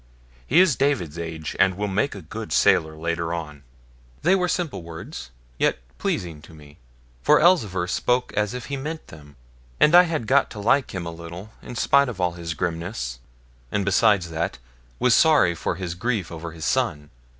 He is David's age, and will make a good sailor later on.' They were simple words, yet pleasing to me; for Elzevir spoke as if he meant them, and I had got to like him a little in spite of all his grimness; and beside that, was sorry for his grief over his son.